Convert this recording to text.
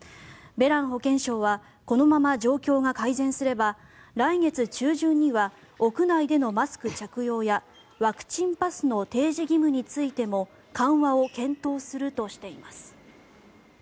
ベラン保健相はこのまま状況が改善すれば来月中旬には屋内でのマスク着用やワクチンパスの提示義務についても緩和を検討するとしています。